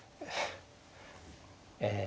ええ。